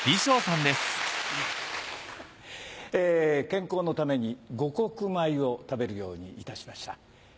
健康のために五穀米を食べるようにいたしました。